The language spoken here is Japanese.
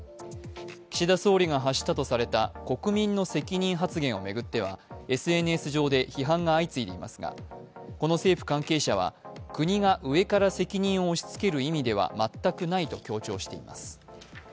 岸田総理が発したとされた国民の責任発言を巡ってはＳＮＳ上で批判が相次いでいますがこの政府関係者は国が上から責任を押しつける意味では全くないと強調しています。